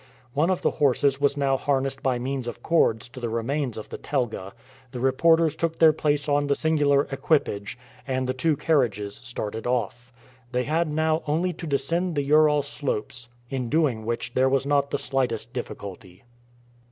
One of the horses was now harnessed by means of cords to the remains of the telga, the reporters took their place on the singular equipage, and the two carriages started off. They had now only to descend the Ural slopes, in doing which there was not the slightest difficulty.